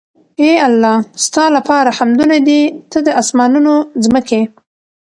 اې الله ! ستا لپاره حمدونه دي ته د آسمانونو، ځمکي